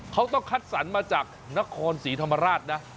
เขาต้องคัดสรรมาจากนครศรีธรรมราชนะ